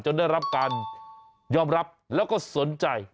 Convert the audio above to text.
ได้รับการยอมรับแล้วก็สนใจ